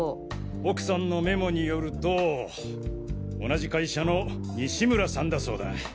奥さんのメモによると同じ会社の西村さんだそうだ。